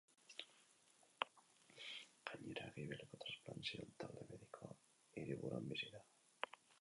Gainera, gibeleko transplantea egin zion talde medikoa hiriburuan bizi da.